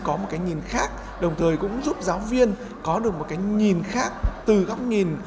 có một cái nhìn khác đồng thời cũng giúp giáo viên có được một cái nhìn khác từ góc nhìn